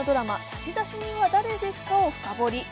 「差出人は、誰ですか？」を深掘り